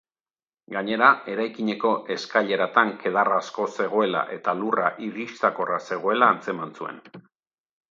Gainera, eraikineko eskaileratan kedar asko zegoela eta lurra irristakorra zegoela antzeman zuen.